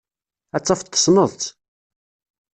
Ad tafeḍ tessneḍ-tt.